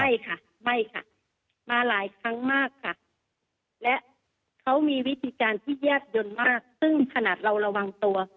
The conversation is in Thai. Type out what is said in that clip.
ไม่ค่ะไม่ค่ะมาหลายครั้งมากค่ะและเขามีวิธีการที่แยบยนต์มากซึ่งขนาดเราระวังตัว